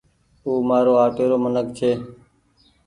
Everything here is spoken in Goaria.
او مآرو آپيري منک ڇي